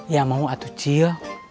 ya mau atuh cil